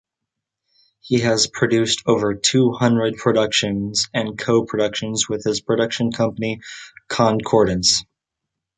He has produced over two hundred productions and co-productions with his production company Concordance.